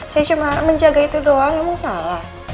saya cuma menjaga itu doang emang salah